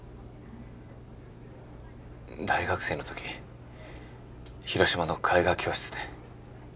大学生の時広島の絵画教室で。